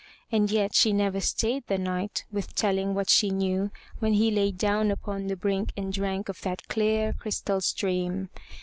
And yet she never stayed the Knight with telling what she knew when he lay down upon the brink and drank of that clear, crystal stream.